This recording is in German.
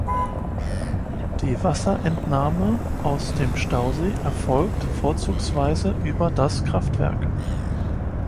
Die Wasserentnahme aus dem Stausee erfolgt vorzugsweise über das Kraftwerk.